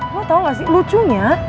lu tau ga sih lucunya